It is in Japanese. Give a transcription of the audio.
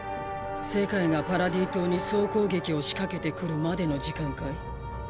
世界がパラディ島に総攻撃を仕掛けてくるまでの時間かい？